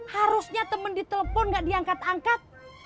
harusnya temen di telepon gak diangkat angkat